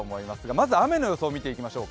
まず雨の予想から見てきましょう。